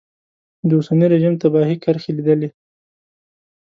د اوسني رژیم تباهي کرښې لیدلې.